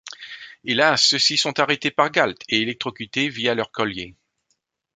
Hélas, ceux-ci sont arrêtés par Galt et électrocutés via leurs colliers.